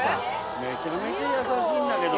めちゃめちゃ優しいんだけど。